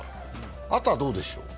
あとはどうでしょう。